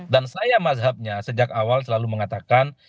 dan saya mazhabnya sejak awal selalu mengatakan